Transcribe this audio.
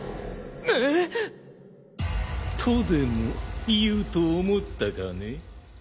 えっ！？とでも言うと思ったかね？